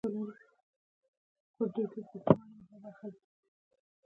مچمچۍ ژیړ رنګ لري